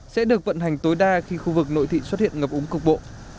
sẽ được vận hành tối đa khi khu vực nội thị xuất hiện ngập úng cục bộ